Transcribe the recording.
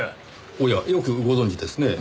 おやよくご存じですねぇ。